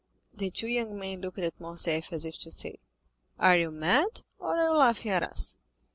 The two young men looked at Morcerf as if to say,—"Are you mad, or are you laughing at us?"